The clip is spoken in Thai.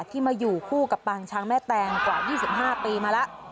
ที่มาอยู่คู่กับปางช้างแม่แตงกว่า๒๕ปีมาแล้ว